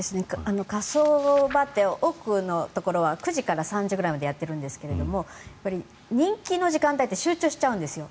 火葬場って多くのところは９時から３時ぐらいまでやっているんですが人気の時間帯って集中しちゃうんですよ